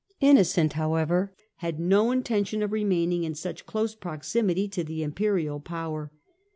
Innocent, however, had no intention of remaining in such close proximity to the Imperial power.